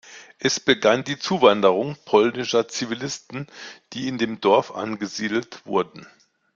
Es begann die Zuwanderung polnischer Zivilisten, die in dem Dorf angesiedelt wurden.